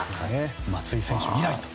松井選手以来と。